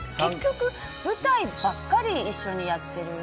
３？舞台ばっかり一緒にやってる。